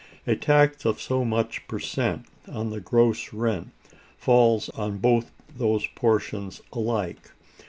A tax of so much per cent on the gross rent falls on both those portions alike.